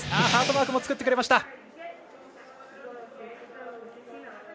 ハートマークも作ってくれました。